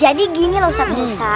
jadi gini lah ustadz musa